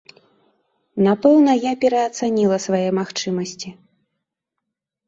Напэўна, я пераацаніла свае магчымасці.